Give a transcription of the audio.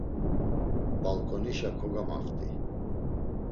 Balǩonişa kogamaft̆i.